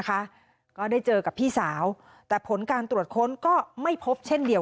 ก็ได้เจอกับพี่สาวแต่ผลการตรวจค้นก็ไม่พบเช่นเดียว